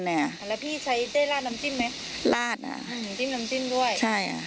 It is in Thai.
แล้วพี่ใช้ได้ราดน้ำจิ้มไหมลาดอ่ะอืมจิ้มน้ำจิ้มด้วยใช่อ่ะ